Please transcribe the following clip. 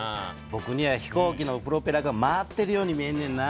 ぼくには飛行機のプロペラが回ってるように見えんねんな。